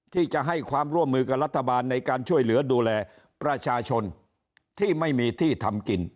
ที่จะให้ความร่วมมือกับรัฐบาลในการช่วยเหลือดูแลประชาชนที่ไม่มีที่ทำกิน